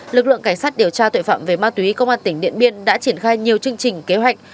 lực lượng cảnh sát điều tra tội phạm về ma túy công an tỉnh điện biên đã triển khai nhiều chương trình kế hoạch